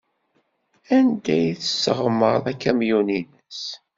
Anda ay tesseɣmer akamyun-nnes?